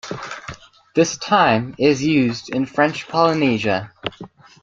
This time is used in French Polynesia.